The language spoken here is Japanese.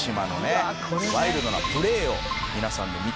「ワイルドなプレーを皆さんで見ていきましょう」